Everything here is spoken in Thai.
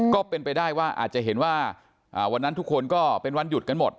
ก็เป็นไปได้ว่าอาจจะเห็นว่าวันนั้นทุกคนก็เป็นวันหยุดกันหมด